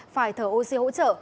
phải thở oxy hỗ trợ